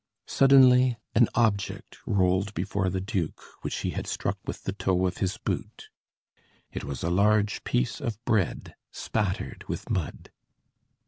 Suddenly an object rolled before the duke which he had struck with the toe of his boot; it was a large piece of bread spattered with mud.